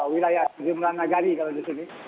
wilayah sejumlah nagari kalau disini